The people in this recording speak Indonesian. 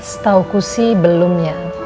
setauku sih belumnya